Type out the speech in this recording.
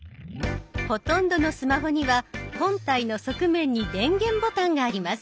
ほとんどのスマホには本体の側面に電源ボタンがあります。